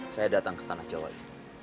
saya datang ke tanah jawa itu